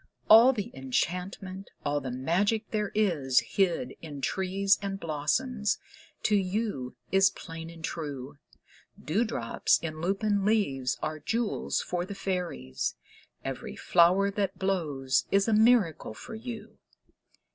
All the enchantment, all the magic there is Hid in trees and blossoms, to you is plain and true. Dewdrops in lupin leaves are jewels for the fairies; Every flower that blows is a miracle for you.